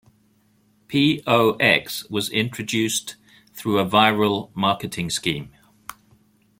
P-O-X was introduced through a viral marketing scheme.